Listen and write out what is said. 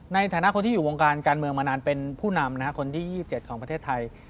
ในฐานะคนที่อยู่วงการการเมืองมานานเป็นผู้นำคนที่๒๗ของประเทศไทย